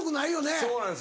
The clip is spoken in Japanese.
そうなんですよ。